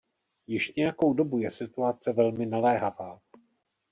Již nějakou dobu je situace velmi naléhavá.